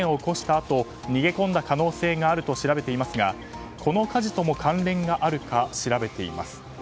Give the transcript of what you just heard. あと逃げ込んだ可能性があると調べていますがこの火事とも関連があるか調べています。